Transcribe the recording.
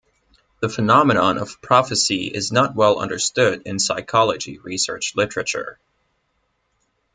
The phenomenon of prophecy is not well understood in psychology research literature.